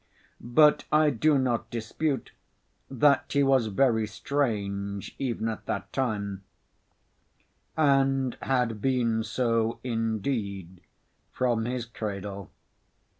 But I do not dispute that he was very strange even at that time, and had been so indeed from his cradle.